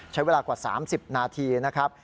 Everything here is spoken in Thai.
ใช้เวลากว่า๓๐นาทีนะครับ